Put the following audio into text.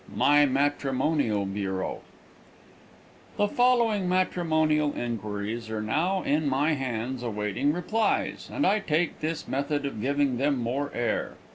MY MATRIMONIAL BUREAU X The following matrimonial inquiries are now in my hands awaiting replies, and I take this method of giving them more air.